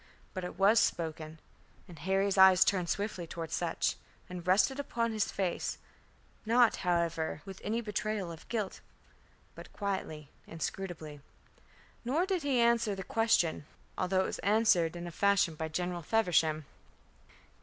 But it was spoken, and Harry's eyes turned swiftly toward Sutch, and rested upon his face, not, however, with any betrayal of guilt, but quietly, inscrutably. Nor did he answer the question, although it was answered in a fashion by General Feversham.